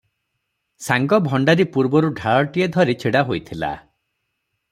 ସାଙ୍ଗ ଭଣ୍ତାରୀ ପୂର୍ବରୁ ଢାଳଟିଏ ଧରି ଛିଡ଼ାହୋଇଥିଲା ।